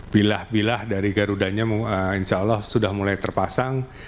pilah pilah dari garudanya insya allah sudah mulai terpasang